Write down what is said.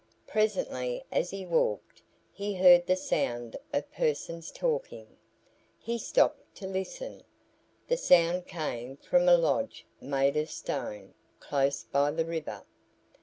Presently as he walked, he heard the sound of persons talking. He stopped to listen. The sound came from a lodge made of stone, close by the river.